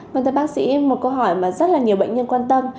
mình thử bác sĩ một câu hỏi mà rất là nhiều bệnh nhân quan tâm